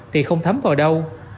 thì không thấm vào đâu